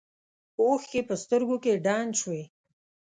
اوښکې په سترګو کې ډنډ شوې.